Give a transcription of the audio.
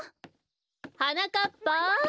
はなかっぱ。